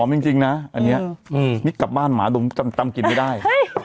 อันนี้กลับบ้านหมาตำกลิ่นไม่ได้